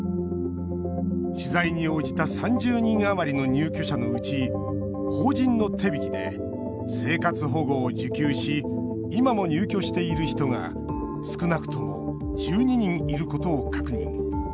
取材に応じた３０人余りの入居者のうち法人の手引きで生活保護を受給し今も入居している人が少なくとも１２人いることを確認。